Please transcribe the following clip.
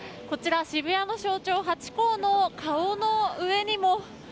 こちら、渋谷の象徴ハチ公の顔の上にも。